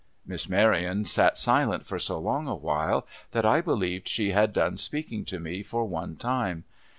Miss Marion sat silent for so long a while, that I believed she had done speaking to me for one time.